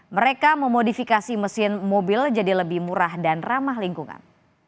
mereka memodifikasi mesin mobil jadi lebih murah dan ramah lingkungan